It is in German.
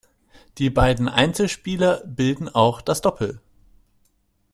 Die beiden Einzelspieler bilden auch das Doppel.